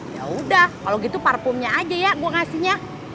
yaudah kalo gitu parfumnya aja ya gua ngasihnya